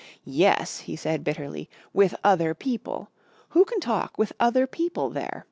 "Yes," he said bitterly, "with other people. Who can talk with other people there?